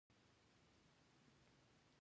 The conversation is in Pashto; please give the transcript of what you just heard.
آزاد تجارت مهم دی ځکه چې زیربنا پرمختګ کوي.